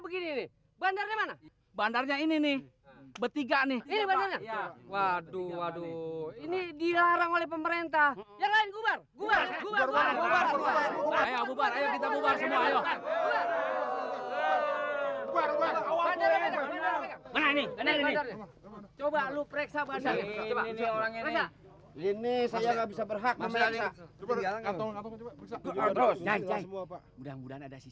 begini bandarnya mana bandarnya ini nih bertiga nih waduh ini dilarang oleh pemerintah yang lain